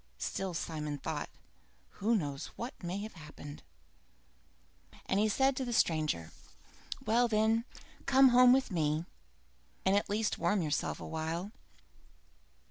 Still Simon thought, "Who knows what may have happened?" And he said to the stranger: "Well then, come home with me, and at least warm yourself awhile."